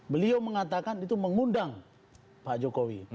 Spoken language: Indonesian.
beliau mengatakan itu mengundang pak jokowi